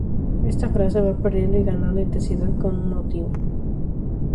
Esta frase va perdiendo y ganando intensidad como un motivo.